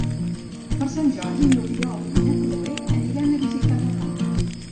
Per Sant Jordi n'Oriol i na Cloè aniran a visitar mon oncle.